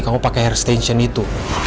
kamu pake hair extension itu